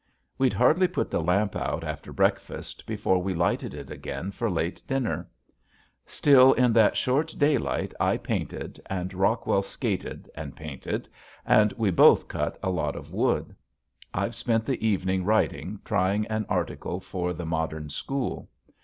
We'd hardly put the lamp out after breakfast, before we lighted it again for late dinner. Still in that short daylight I painted and Rockwell skated and painted, and we both cut a lot of wood. I've spent the evening writing, trying an article for "The Modern School."